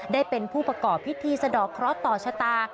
ได้เป็นผู้ประกอบพิธีสะดอกเคราะห์ต่อชะตา